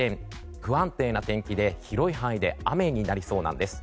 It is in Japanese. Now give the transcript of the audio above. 不安定な天気で広い範囲で雨になりそうなんです。